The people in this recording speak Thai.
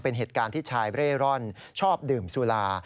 เป็นเหตุการณ์ที่ชายเร่ร่อนชอบดื่มสุรา